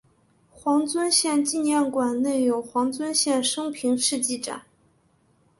黄遵宪纪念馆内有黄遵宪生平事迹展。